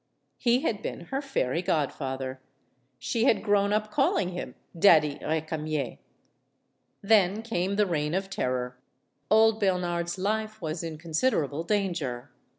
He had been her fairy godfather. She had grown up calling him "Daddy Recamier." Then came the Reign of Terror. Old Bernard's life was in considerable danger.